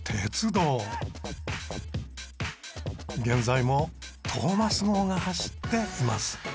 現在もトーマス号が走っています。